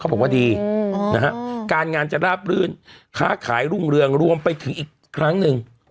บอกว่าดีนะฮะการงานจะราบรื่นค้าขายรุ่งเรืองรวมไปถึงอีกครั้งหนึ่ง